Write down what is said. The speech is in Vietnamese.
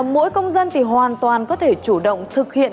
mỗi công dân thì hoàn toàn có thể chủ động thực hiện